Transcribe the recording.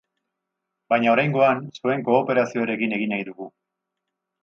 Baina oraingoan, zuen kooperazioarekin egin nahi dugu.